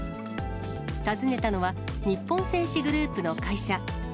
訪ねたのは、日本製紙グループの会社。